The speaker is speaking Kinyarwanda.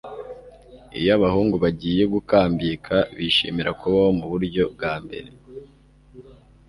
iyo abahungu bagiye gukambika, bishimira kubaho muburyo bwambere